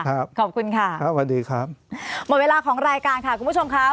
ขอบคุณค่ะครับสวัสดีครับหมดเวลาของรายการค่ะคุณผู้ชมครับ